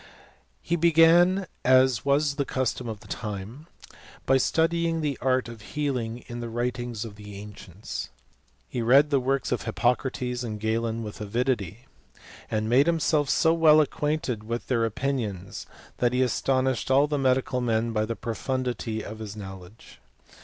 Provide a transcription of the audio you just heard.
He began, as was then. the custom 'of the time, by studying the art of liealing in the 'writ^. ings of the ancients. He read the works of. Hippo crates and Galen with avidity ; and made himself 'A^ well acquainted with their opinions, that he astonishtft all the medical men by the profundity of his knoi^ . ledge.